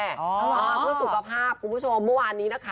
ทำธุรกภาพคุณผู้ชมวันนี้นะค่ะ